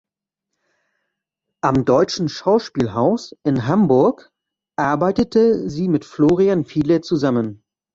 Am Deutschen Schauspielhaus in Hamburg arbeitete sie mit Florian Fiedler zusammen.